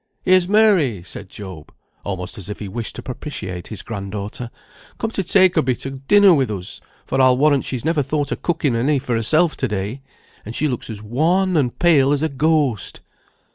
"Here's Mary," said Job, almost as if he wished to propitiate his grand daughter, "come to take a bit of dinner with us, for I'll warrant she's never thought of cooking any for herself to day; and she looks as wan and pale as a ghost."